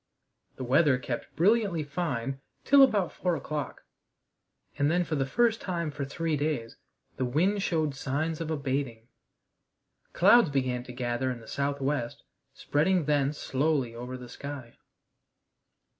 The weather kept brilliantly fine till about four o'clock, and then for the first time for three days the wind showed signs of abating. Clouds began to gather in the southwest, spreading thence slowly over the sky.